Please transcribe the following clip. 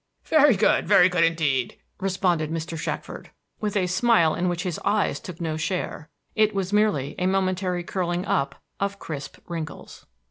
"Very good, very good indeed," responded Mr. Shackford, with a smile in which his eyes took no share, it was merely a momentary curling up of crisp wrinkles.